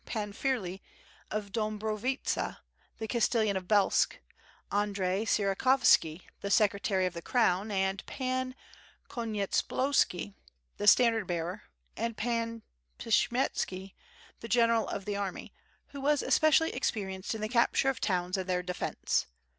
Pan f'irley of Dombrovitsa the Cas; tellan of Belsk, Audrey Sierakovski the secretary of the crown and Pan Konyetspolski the standard bearer, and Pan Pshiyemski the general of the artillery, who was especially ex perienced in the capture of towns and their defence.